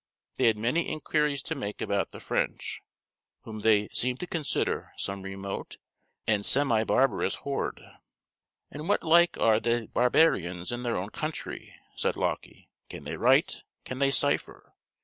They had many inquiries to make about the French, whom they seemed to consider some remote and semi barbarous horde "And what like are thae barbarians in their own country?" said Lauckie, "can they write? can they cipher?"